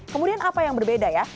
kemudian apa yang berbeda ya